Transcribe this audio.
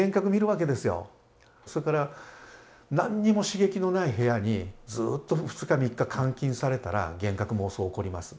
それから何も刺激のない部屋にずっと２日３日監禁されたら幻覚妄想起こります。